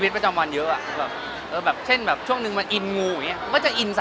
เรื่องที่มายเริ่มแชร์กับพี่แอนนเนี่ยคะ